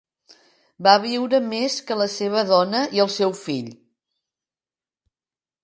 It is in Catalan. Va viure més que la seva dona i el seu fill.